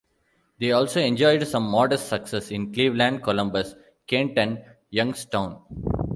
They also enjoyed some modest success in Cleveland, Columbus, Kent and Youngstown.